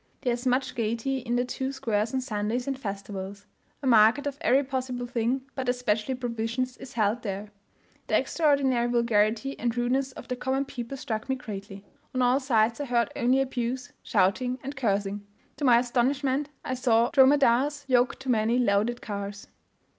There is much gaiety in the two squares on Sundays and festivals. A market of every possible thing, but especially provisions, is held there. The extraordinary vulgarity and rudeness of the common people struck me greatly; on all sides I heard only abuse, shouting, and cursing. To my astonishment I saw dromedaries yoked to many loaded carts.